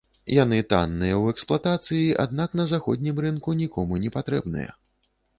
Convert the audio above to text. Яны танныя ў эксплуатацыі, аднак на заходнім рынку нікому не патрэбныя.